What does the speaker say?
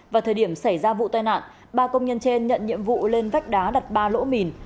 vào thời điểm xảy ra vụ tai nạn ba công nhân trên nhận nhiệm vụ lên vách đá đặt ba lỗ mìn